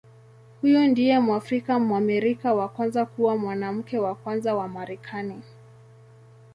Huyu ndiye Mwafrika-Mwamerika wa kwanza kuwa Mwanamke wa Kwanza wa Marekani.